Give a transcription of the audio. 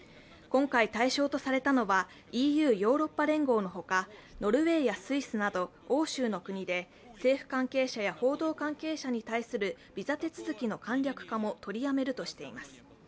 今回、対象とされたのはＥＵ＝ヨーロッパ連合のほか、ノルウェーやスイスなど欧州の国で政府関係者や報道関係者に対するビザ手続きの簡略化も取りやめるとしています。